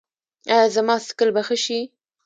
ایا زما څکل به ښه شي؟